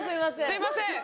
すみません。